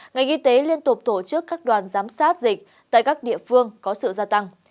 ngành y tế liên tục tổ chức các đoàn giám sát dịch tại các địa phương có sự gia tăng